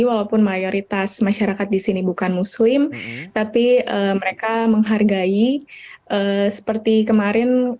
walaupun mayoritas masyarakat di sini bukan muslim tapi mereka menghargai seperti kemarin